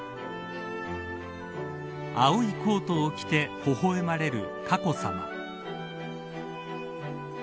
青いコートを着てほほ笑まれる佳子さま。